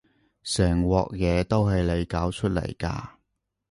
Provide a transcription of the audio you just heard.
成鑊嘢都係你搞出嚟㗎